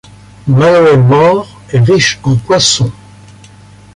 Maloe More est riche en poissons.